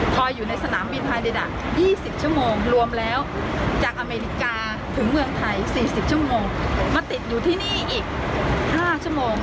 พออยู่ในสนามบินพาเดดะ๒๐ชั่วโมงรวมแล้วจากอเมริกาถึงเมืองไทย๔๐ชั่วโมงมาติดอยู่ที่นี่อีก๕ชั่วโมง